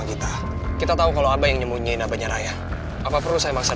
gak tau obar sama ni mana